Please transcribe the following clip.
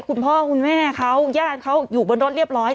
คุณพ่อคุณแม่เขาญาติเขาอยู่บนรถเรียบร้อย